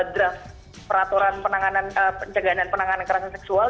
draft peraturan penanganan jagaan penanganan kekerasan seksual